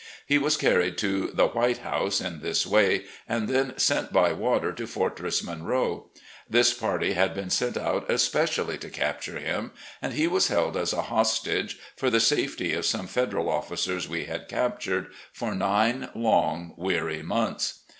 He was carried to the "White House" in this way, and then sent by water to Fortress Monroe. This party had been sent out especially to capture him, and he was held as a hostage (for the loo RECOLLECTIONS OF GENERAL LEE safety of some Federal ofl&cers we had captured) for nine long, weary months.